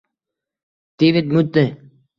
Devid Mudi